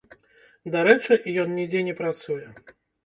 Дарэчы, ён нідзе не працуе.